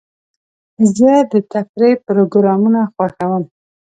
زه د تفریح پروګرامونه خوښوم.